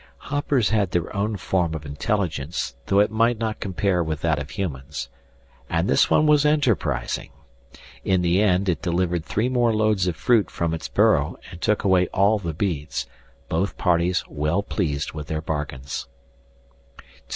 Hoppers had their own form of intelligence, though it might not compare with that of humans. And this one was enterprising. In the end it delivered three more loads of fruit from its burrow and took away all the beads, both parties well pleased with their bargains.